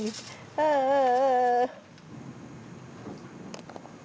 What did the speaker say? ああああ。